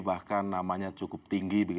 bahkan namanya cukup tinggi